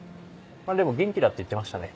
でも元気だって言ってましたね。